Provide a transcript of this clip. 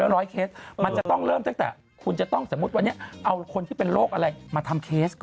เราจะต้องไปอยู่กับคนป่วยที่เป็นม